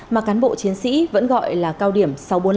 mà cán bộ chiến sĩ vẫn gọi là cao điểm sáu trăm bốn mươi năm